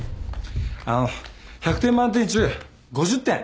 あの１００点満点中５０点。